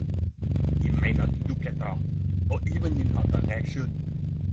He may not look at her or even in her direction.